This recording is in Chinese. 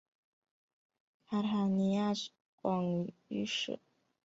卡塔尼亚广域市是意大利西西里的一个广域市。